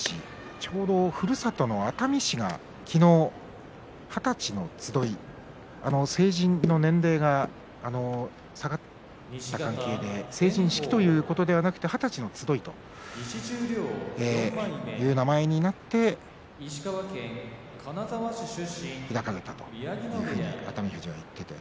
ちょうど、ふるさとの熱海市が昨日、二十歳の集い成人年齢が下がった関係で成人式ということではなく二十歳の集いという名前になって開かれたというふうに熱海富士は言っています。